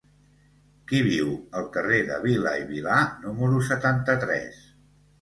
Qui viu al carrer de Vila i Vilà número setanta-tres?